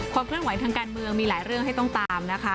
เคลื่อนไหวทางการเมืองมีหลายเรื่องให้ต้องตามนะคะ